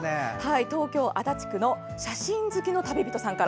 東京・足立区の写真好きの旅人さん。